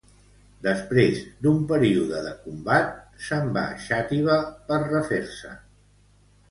Després d'un període de combat, se'n van a Xàtiva per refer-se.